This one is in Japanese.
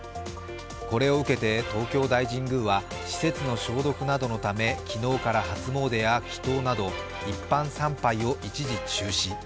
これを受けて、東京大神宮は施設の消毒などのため昨日から、初詣は祈とうなど一般参拝を一時中止。